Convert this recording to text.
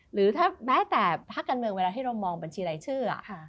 หรือถ้าแม้แต่ภาคการเมืองเวลาที่เรามองบัญชีรายชื่อ